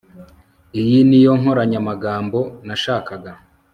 iyi niyo nkoranyamagambo nashakaga